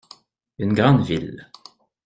Une grande ville.